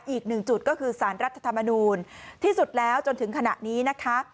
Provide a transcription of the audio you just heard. อีกหนึ่งจุดก็คือสารรัฐธรรมนูลที่สุดแล้วจนถึงขณะนี้นะคะ